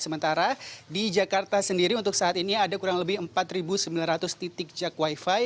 sementara di jakarta sendiri untuk saat ini ada kurang lebih empat sembilan ratus titik jak wifi